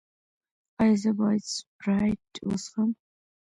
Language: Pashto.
ایا زه باید سپرایټ وڅښم؟